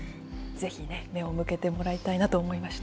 ぜひね、目を向けてもらいたいなと思いました。